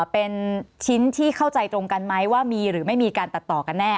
เป็นชิ้นที่เข้าใจตรงกันไหมว่ามีหรือไม่มีการตัดต่อกันแน่